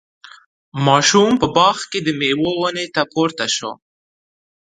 ماشوم په باغ کې د میوو ونې ته پورته شو.